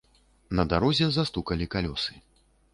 На дарозе застукалі калёсы.